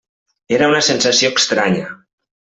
Era una sensació estranya.